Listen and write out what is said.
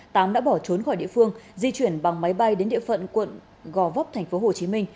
tám đã bỏ trốn khỏi địa phương di chuyển bằng máy bay đến địa phận quận gò vấp tp hcm